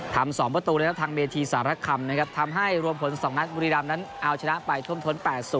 ทำ๒ประตูนะครับทางเมธีสารคำนะครับทำให้รวมผล๒นัดบุรีรำนั้นเอาชนะไปท่วมท้น๘๐